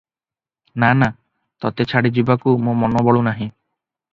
ନା, ନା, ତୋତେ ଛାଡ଼ି ଯିବାକୁ ମୋ ମନ ବଳୁ ନାହିଁ ।"